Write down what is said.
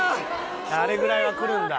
あれぐらいはくるんだ？